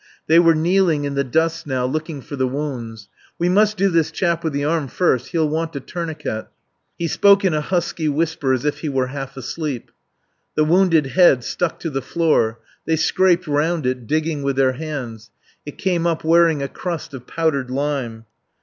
They were kneeling in the dust now, looking for the wounds. "We must do this chap with the arm first. He'll want a tourniquet." He spoke in a husky whisper as if he were half asleep.... The wounded head stuck to the floor. They scraped round it, digging with their hands; it came up wearing a crust of powdered lime.